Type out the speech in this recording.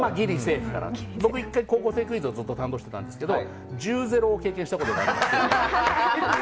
僕、「高校生クイズ」をずっと担当してたんですが１０：０を経験したことあります。